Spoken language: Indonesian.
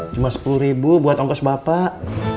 cuma sepuluh ribu buat ongkos bapak